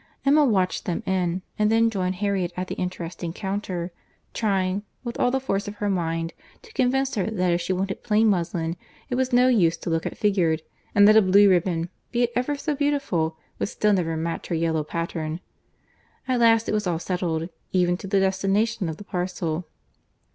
Emma watched them in, and then joined Harriet at the interesting counter,—trying, with all the force of her own mind, to convince her that if she wanted plain muslin it was of no use to look at figured; and that a blue ribbon, be it ever so beautiful, would still never match her yellow pattern. At last it was all settled, even to the destination of the parcel.